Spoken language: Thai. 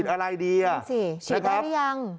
ใช่ฉีดได้หรือยัง